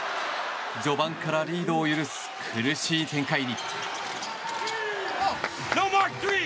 序盤からリードを許す苦しい展開に。